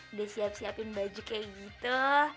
udah siap siapin baju kayak gitu